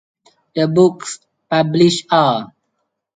The books published are